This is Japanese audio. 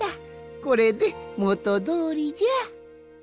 これでもとどおりじゃ。